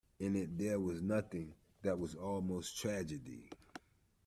In it there was something that was almost tragedy.